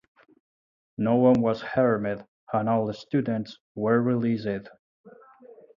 No one was harmed, and all students were released.